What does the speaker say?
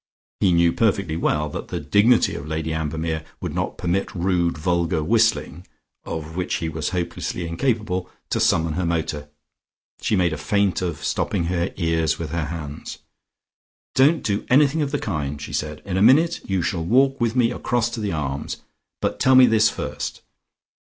(He knew perfectly well that the dignity of Lady Ambermere would not permit rude vulgar whistling, of which he was hopelessly incapable, to summon her motor. She made a feint of stopping her ears with her hands.) "Don't do anything of the kind," she said. "In a minute you shall walk with me across to the Arms, but tell me this first.